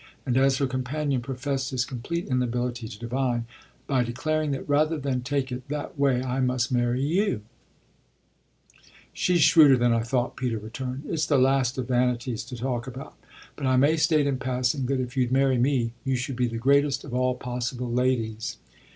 And as her companion professed his complete inability to divine: "By declaring that rather than take it that way I must marry you." "She's shrewder than I thought," Peter returned. "It's the last of vanities to talk about, but I may state in passing that if you'd marry me you should be the greatest of all possible ladies."